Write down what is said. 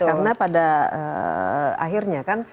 karena pada akhirnya kan